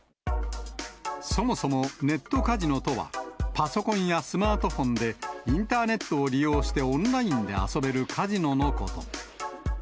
そもそもネットカジノとは、パソコンやスマートフォンで、インターネットを利用してオンラインで遊べるカジノのこと。